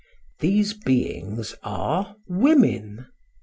These beings are women.